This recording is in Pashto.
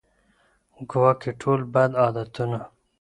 ګواکي ټول بد عادتونه